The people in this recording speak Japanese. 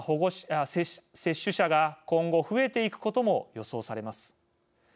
接種者が今後増えていくことも予想されます。